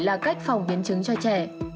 là cách phòng biến chứng cho trẻ